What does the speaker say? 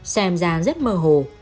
xem ra rất mờ hồ